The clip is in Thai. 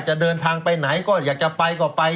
จะเดินทางไปไหนก็อยากจะไปก็ไป